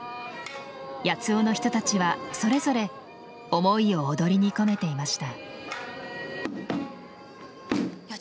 八尾の人たちはそれぞれ思いを踊りに込めていました。